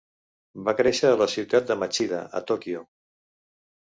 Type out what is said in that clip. Va créixer a la ciutat de Machida, a Tòquio.